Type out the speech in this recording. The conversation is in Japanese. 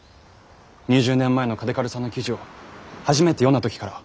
２０年前の嘉手刈さんの記事を初めて読んだ時から。